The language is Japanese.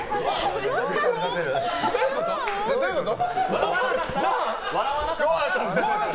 どういうこと？